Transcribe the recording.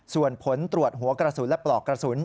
ส่วนผลตรวจหัวกระสุนและปลอกกระสุน